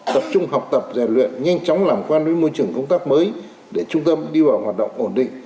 tập trung học tập rèn luyện nhanh chóng làm quen với môi trường công tác mới để trung tâm đi vào hoạt động ổn định